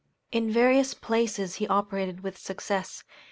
In various places he operated with success.